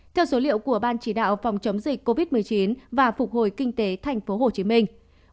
theo số liệu của ban chỉ đạo phòng chống dịch covid một mươi chín và phục hồi kinh tế thành phố hồ chí minh